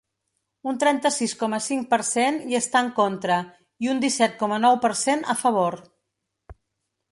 Un trenta-sis coma cinc per cent hi està en contra i un disset coma nou per cent, a favor.